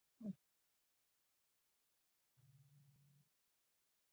موږ په واحد افغانستان کې واحد حکومت غواړو.